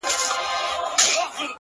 اوښکي نه راتویومه خو ژړا کړم;